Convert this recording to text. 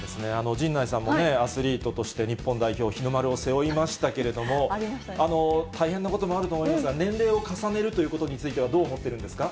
陣内さんもね、アスリートとして、日本代表、日の丸を背負いましたけれども、大変なこともあると思いますが、年齢を重ねるということについては、どう思ってるんですか。